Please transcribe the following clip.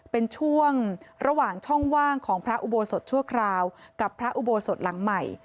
เป็นช่วงระหว่างช่องว่างของพระอุโบสถชั่วคราวกับพระอุโบสถหลังใหม่